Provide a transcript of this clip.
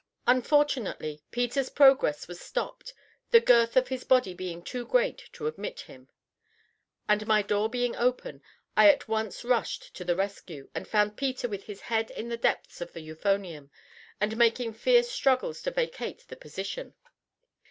Unfortunately, Peter's progress was stopped, the girth of his body being too great to admit him; and my door being open, I at once rushed to the rescue, and found Peter with his head in the depths of the euphonium, and making fierce struggles to vacate the position.